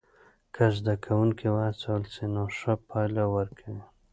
که زده کوونکي وهڅول سی نو ښه پایله ورکوي.